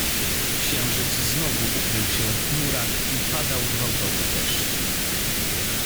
"Księżyc znowu ukrył się w chmurach i padał gwałtowny deszcz."